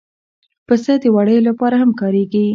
پسه د وړیو لپاره هم کارېږي.